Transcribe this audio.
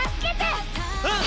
うん！